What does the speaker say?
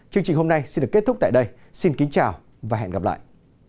chương trình hôm nay xin được kết thúc tại đây xin kính chào và hẹn gặp lại